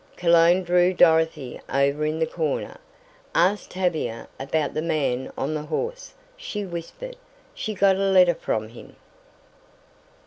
Cologne drew Dorothy over in the corner. "Ask Tavia about the man on the horse," she whispered. "She got a letter from him!"